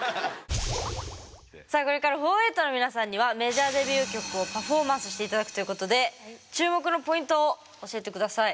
さあこれからフォーエイト４８の皆さんにはメジャーデビュー曲をパフォーマンスして頂くということで注目のポイントを教えて下さい。